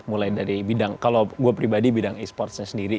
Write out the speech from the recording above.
mulai dari bidang kalau gue pribadi bidang esportsnya sendiri